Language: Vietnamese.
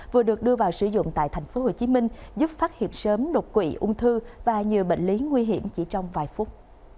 vừa được đưa vào sử dụng tại tp hcm giúp phát hiện sớm đột quỵ ung thư và nhiều bệnh lý nguy hiểm chỉ trong vài phút